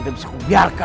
tidak bisa kubiarkan